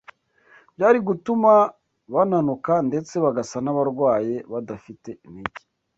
byari gutuma bananuka ndetse bagasa n’abarwaye badafite intege